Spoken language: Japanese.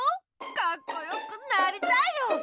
カッコよくなりたいよ！